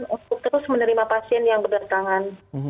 untuk terus menerima pasien yang berdatangan